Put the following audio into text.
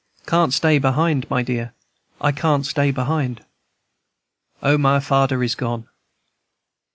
Can't stay behind, my dear, I can't stay behind! "O, my fader is gone!"